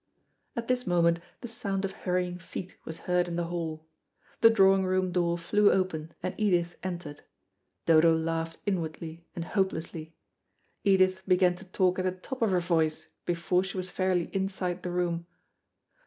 At this moment the sound of hurrying feet was heard in the hall. The drawing room door flew open and Edith entered. Dodo laughed inwardly and hopelessly. Edith began to talk at the top of her voice, before, she was fairly inside the room.